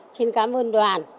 xin cảm ơn đoàn